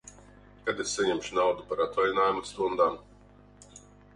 Kad es saņemšu naudu par atvaļinājuma stundām?